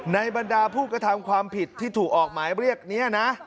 บรรดาผู้กระทำความผิดที่ถูกออกหมายเรียกนี้นะ